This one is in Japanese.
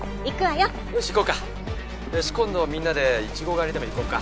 よし今度はみんなでイチゴ狩りでも行こうか？